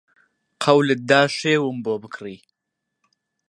قەولت دا شێوم بۆ بکڕی